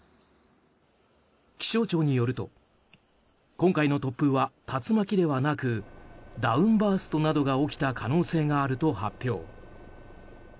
気象庁によると今回の突風は竜巻ではなくダウンバーストなどが起きた可能性があると発表。